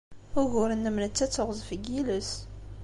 Ugur-nnem netta d teɣzef n yiles.